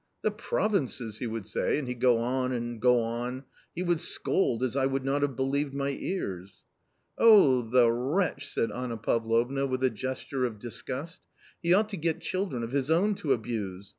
" The provinces !" he would say, and he'd go on and go on .... he would scold as I would not have believed my ears." " Oh the wretch !" said Anna Pavlovna with a gesture of disgust. " He ought to get children of his own to abuse